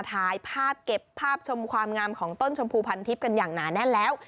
ถ่ายภาพเก็บภาพชมความงามของต้นชมพูพันทิพย์กันอย่างหนาแน่นแล้ว